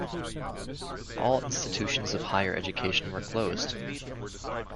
All institutions of higher education were closed.